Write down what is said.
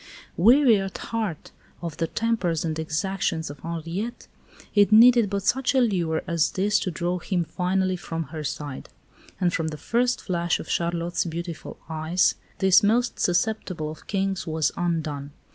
Weary at heart of the tempers and exactions of Henriette, it needed but such a lure as this to draw him finally from her side; and from the first flash of Charlotte's beautiful eyes this most susceptible of Kings was undone.